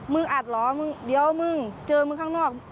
มึงอาจรอเดี๋ยวมึงเจอมึงข้างนอก